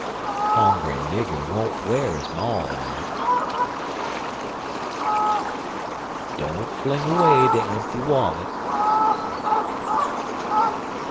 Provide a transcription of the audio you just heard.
Hongry nigger won't w'ar his maul out. Don't fling away de empty wallet.